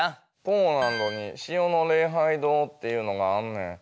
ポーランドに塩の礼拝堂っていうのがあんねん。